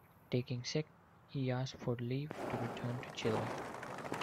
Taking sick, he asked for leave to return to Chile.